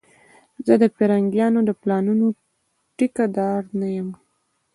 زه د پرنګيانو د پلانونو ټيکه دار نه یم